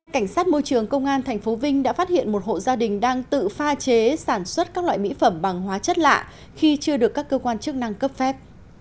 cảnh sát môi trường công an tp vinh đã phát hiện một hộ gia đình đang tự pha chế sản xuất các loại mỹ phẩm bằng hóa chất lạ khi chưa được các cơ quan chức năng cấp phép